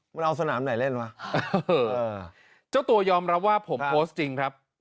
มันเอาสนามไหนเล่นวะเจ้าตัวยอมรับว่าผมโพสต์จริงครับ